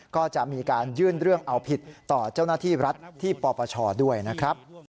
ก็จะมีการยื่นเรื่องเอาผิดต่อเจ้าหน้าที่รัฐที่ปปชด้วยนะครับ